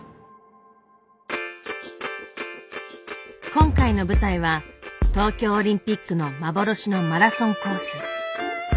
今回の舞台は東京オリンピックの幻のマラソンコース。